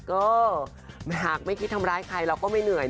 เออหากไม่คิดทำร้ายใครเราก็ไม่เหนื่อย